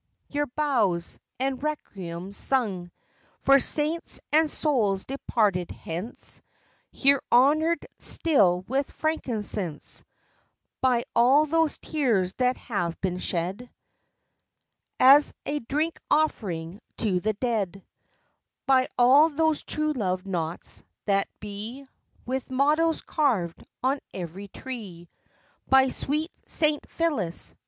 your boughs, and requiems sung For saints and souls departed hence, Here honour'd still with frankincense; By all those tears that have been shed, As a drink offering to the dead; By all those true love knots, that be With mottoes carved on every tree; By sweet Saint Phillis!